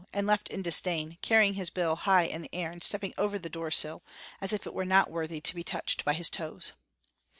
and left in disdain, carrying his bill high in the air and stepping over the door sill as if it were not worthy to be touched by his toes.